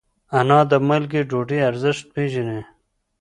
انا د مالګې ډوډۍ ارزښت پېژني